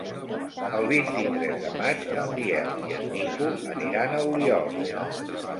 El vint-i-tres de maig en Biel i en Nico aniran a Oliola.